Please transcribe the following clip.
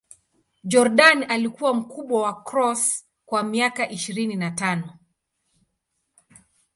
Jordan alikuwa mkubwa wa Cross kwa miaka ishirini na tano.